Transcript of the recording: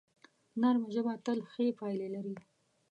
نرمه ژبه تل ښې پایلې لري